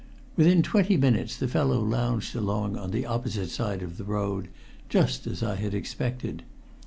Within twenty minutes the fellow lounged along on the opposite side of the road, just as I had expected.